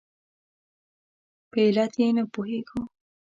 په علت یې نه پوهېږو.